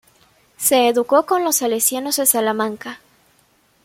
Se educó con los Salesianos de Salamanca.